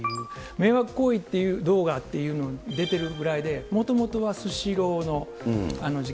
迷惑行為という、動画というのに出てるぐらいで、もともとはスシローの事件。